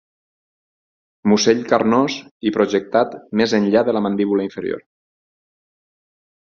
Musell carnós i projectat més enllà de la mandíbula inferior.